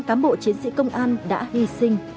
một mươi tám cám bộ chiến sĩ công an đã hy sinh